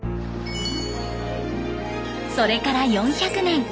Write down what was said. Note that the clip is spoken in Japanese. それから４００年。